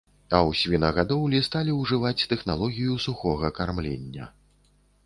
А ў свінагадоўлі сталі ўжываць тэхналогію сухога кармлення.